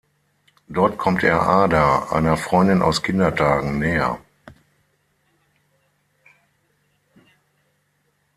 Dort kommt er Ada, einer Freundin aus Kindertagen, näher.